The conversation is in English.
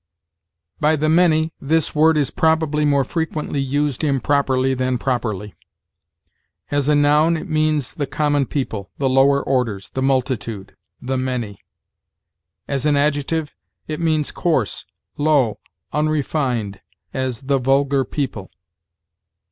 By the many, this word is probably more frequently used improperly than properly. As a noun, it means the common people, the lower orders, the multitude, the many; as an adjective, it means coarse, low, unrefined, as "the vulgar people."